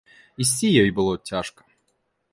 Ісці ёй было цяжка.